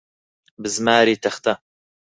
بزماری تەختە.